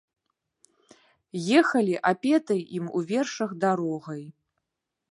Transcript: Ехалі апетай ім у вершах дарогай.